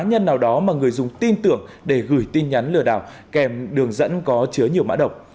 cá nhân nào đó mà người dùng tin tưởng để gửi tin nhắn lừa đảo kèm đường dẫn có chứa nhiều mã độc